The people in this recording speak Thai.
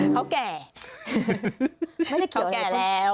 เขาแก่